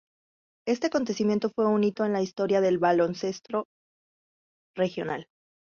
Este acontecimiento fue un hito en la historia del baloncesto regional.